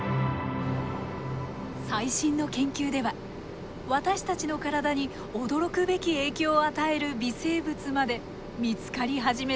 最新の研究では私たちの体に驚くべき影響を与える微生物まで見つかり始めています。